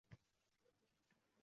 Otamdan qolgan merosingiz qani?